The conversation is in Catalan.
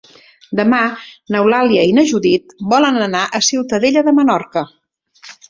Demà n'Eulàlia i na Judit volen anar a Ciutadella de Menorca.